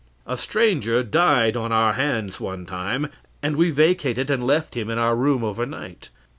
A stranger died on our hands one time, and we vacated and left him in our room overnight.